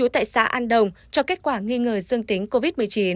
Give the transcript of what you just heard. tại xã an đồng cho kết quả nghi ngờ dương tính covid một mươi chín